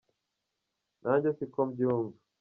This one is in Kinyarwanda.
nanjye siko mbyumva.